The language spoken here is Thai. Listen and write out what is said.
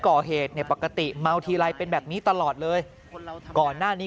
ก่อเหตุเนี่ยปกติเมาทีไรเป็นแบบนี้ตลอดเลยก่อนหน้านี้